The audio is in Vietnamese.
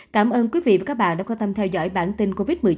cảm ơn quý vị và các bạn đã quan tâm theo dõi bản tin covid một mươi chín